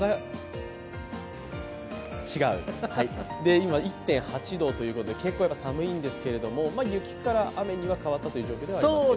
今、１．８度ということで結構寒いんですけど、雪から雨には変わったという状況ではありますね。